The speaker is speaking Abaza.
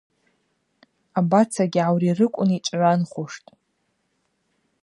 Абацагьи гӏаурирыквын йчӏвгӏванхуштӏ.